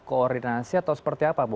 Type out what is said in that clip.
koordinasi atau seperti apa bu